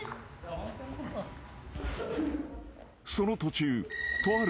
［その途中。とある］